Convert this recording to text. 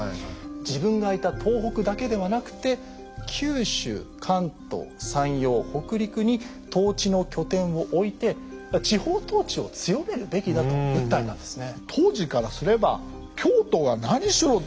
自分がいた東北だけではなくて九州関東山陽北陸に統治の拠点を置いて地方統治を強めるべきだと訴えたんですね。